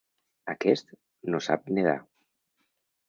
Aquest no sap nedar.